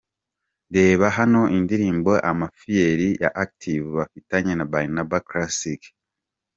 Reba hano indirimbo Amafiyeri ya Active bafatanyije na Barnaba Classic:.